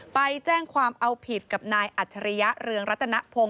ไปแจ้งความเอาผิดกับนายอัจฉริยะเรืองรัตนพงศ